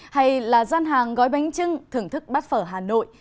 hay là gian hàng gói bánh trưng thưởng thức bát phở hà nội